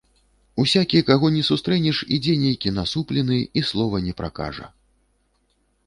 Усякі, каго ні сустрэнеш, ідзе нейкі насуплены і слова не пракажа.